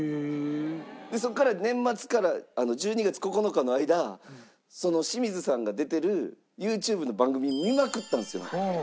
でそこから年末から１２月９日の間その清水さんが出てるＹｏｕＴｕｂｅの番組見まくったんですよ。